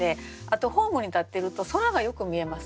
あとホームに立ってると空がよく見えますね。